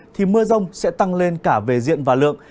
thì mưa rông sẽ tăng lên cả về diện và lượng